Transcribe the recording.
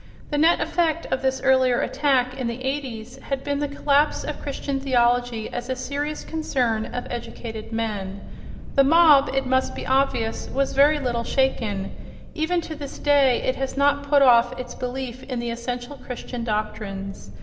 The net effect of this earlier attack, in the eighties, had been the collapse of Christian theology as a serious concern of educated men. The mob, it must be obvious, was very little shaken; even to this day it has not put off its belief in the essential Christian doctrines.